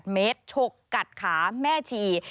เมตรฉกกัดขาแม่ชี